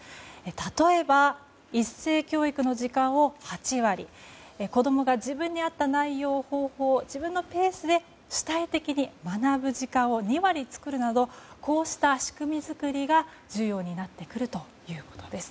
例えば一斉教育の時間を８割子供が自分に合った内容、方法を自分のペースで主体的に学ぶ時間を２割作るなどこうした仕組み作りが重要になってくるということです。